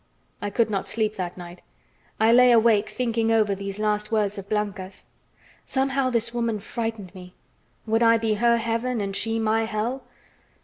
I could not sleep that night. I lay awake thinking over these last words of Blanca's. Somehow this woman frightened me. Would I be her heaven and she my hell?